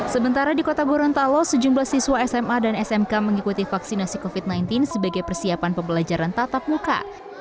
sementara di kota gorontalo sejumlah siswa sma dan smk mengikuti vaksinasi covid sembilan belas sebagai persiapan pembelajaran tatap muka